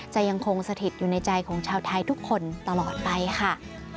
จะยังคงสถิตอยู่ในใจของชาวไทยทุกคนตลอดไปค่ะ